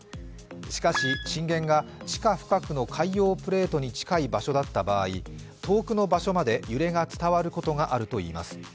しかし、震源が地下深くの海洋プレートに近い場所だった場合、遠くの場所まで揺れが伝わることがあるといいます。